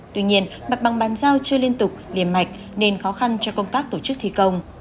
tuy nhiên mặt bằng bàn giao chưa liên tục liềm mạch nên khó khăn cho công tác tổ chức thi công